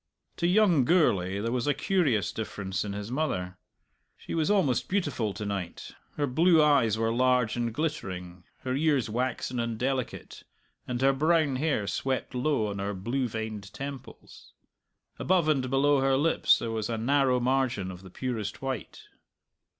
To young Gourlay there was a curious difference in his mother. She was almost beautiful to night. Her blue eyes were large and glittering, her ears waxen and delicate, and her brown hair swept low on her blue veined temples. Above and below her lips there was a narrow margin of the purest white.